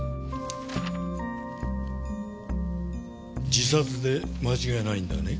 自殺で間違いないんだね？